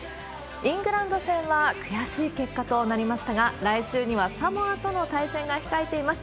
イングランド戦は悔しい結果となりましたが、来週にはサモアとの対戦が控えています。